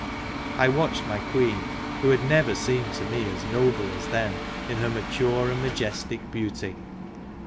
I watched my Queen, who had never seemed to me as noble as then, in her mature and majestic beauty.